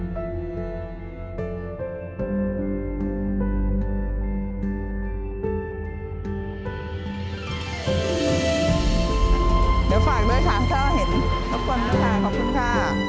แล้วฝากด้วยค่ะเธอเห็นขอบคุณค่ะ